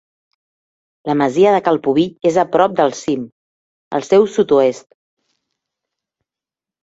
La masia de Cal Pubill és a prop del cim, al seu sud-oest.